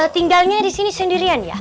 tinggalnya disini sendirian ya